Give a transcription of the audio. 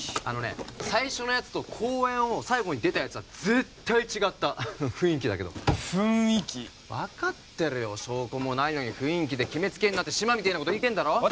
あのね最初のやつと公園を最後に出たやつは絶対違ったフインキだけど雰囲気分かってるよ証拠もないのにフインキで決めつけんなって志摩みてえなこと言いてんだろ？